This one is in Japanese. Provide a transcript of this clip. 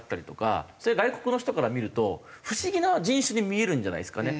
それ外国の人から見ると不思議な人種に見えるんじゃないですかね。